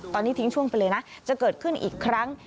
ตอนนี้ทิ้งช่วงไปเลยนะจะเกิดขึ้นอีกครั้ง